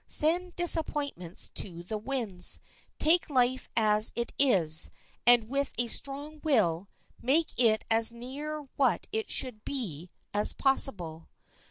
Send disappointments to the winds; take life as it is, and, with a strong will, make it as near what it should be as possible.